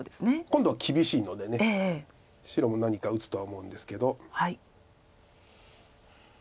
今度は厳しいので白も何か打つとは思うんですけど。